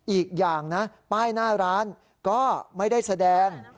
อีกอย่างนะป้ายหน้าร้านก็ไม่ได้แสดง